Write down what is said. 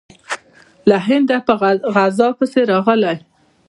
له هنده په غزا پسې راغلی.